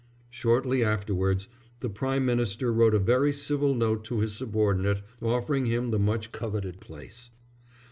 Shortly afterwards the Prime Minister wrote a very civil note to his subordinate offering him the much coveted place.